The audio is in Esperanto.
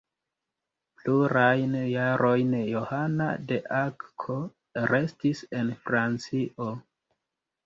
Plurajn jarojn Johana de Akko restis en Francio.